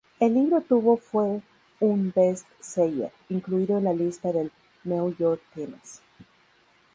El libro tuvo fue un best-seller incluido en la lista del New York Times.